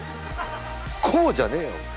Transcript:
「こうじゃねえよ！お前！」。